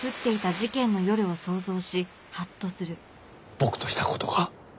僕とした事が。